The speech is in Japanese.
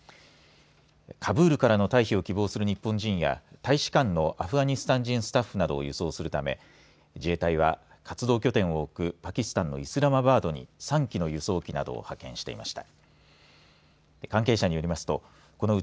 カブールからの退避を希望する日本人や大使館のアフガニスタン人スタッフを輸送するため自衛隊が活動拠点を置くパキスタンのイスラマバードに３基の輸送機などを派遣していました。